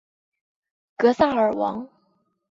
格萨尔王